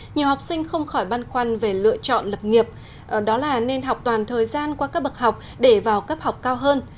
nhiều học sinh không khỏi băn khoăn về lựa chọn lập nghiệp đó là nên học toàn thời gian qua các bậc học để vào cấp học cao hơn